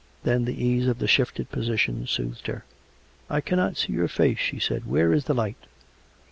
Then the ease of the shifted position soothed her. " I cannot see your face," she said. " Where is the light.?